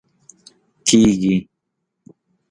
کېږي